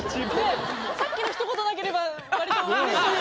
・さっきのひと言なければ割とうれしい。